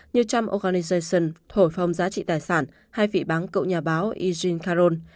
như trump organization thổi phòng giá trị tài sản hay vị bán cậu nhà báo eugene caron